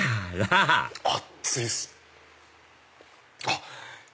あっ！